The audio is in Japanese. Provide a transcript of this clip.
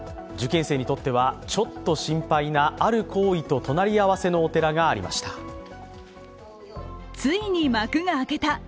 受験生にとってはちょっと心配なある行為と隣り合わせのお寺がありました。